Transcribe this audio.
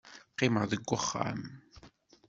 Qqimeɣ deg uxxam.